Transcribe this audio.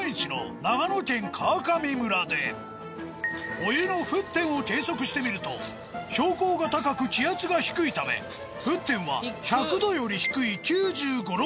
お湯の沸点を計測してみると標高が高く気圧が低いため沸点は１００℃より低い９５９６